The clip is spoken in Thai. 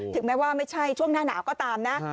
ถึงแม้ว่าไม่ใช่ช่วงหน้าหนาวก็ตามนะ